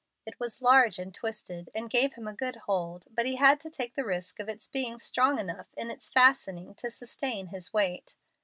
It was large and twisted, and gave him a good hold, but he had to take the risk of its being strong enough in its fastening to sustain his weight.